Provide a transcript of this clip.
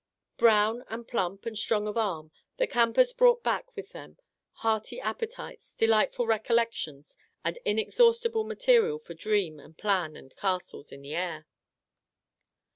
Brown and plump and strong of arm, the campers brought back with them hearty appe tites, delightful recollections, and inexhaustible material for dream and plan and castles in the air.